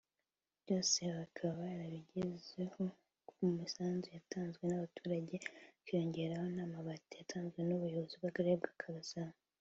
Byose bakaba barabigezeho ku misanzu yatanzwe n’abaturage hakiyongeraho n’amabati yatanzwe n’ubuyobozi bw’Akarere ka Gasabo